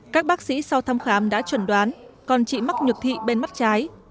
các bác sĩ sau thăm khám đã chuẩn đoán con chị mắc nhược thị bên mắt trái